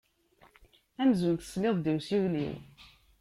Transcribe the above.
Amzun tesliḍ-d i usiwel-iw.